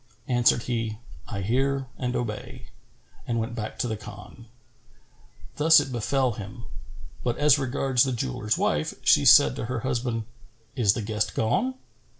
Answered he, "I hear and obey," and went back to the Khan. Thus it befel him; but as regards the jeweller's wife, she said to her husband, "Is the guest gone?"